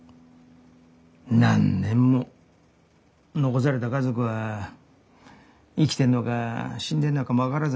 何年も残された家族は生きてんのか死んでんのかも分からずね。